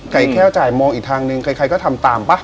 แค่จ่ายมองอีกทางนึงใครก็ทำตามป่ะ